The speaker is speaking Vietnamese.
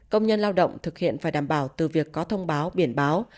công nhân lao động thực hiện phải đảm bảo từ việc có thông báo biển báo